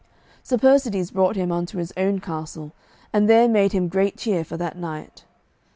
Sir Persides brought him unto his own castle, and there made him great cheer for that night.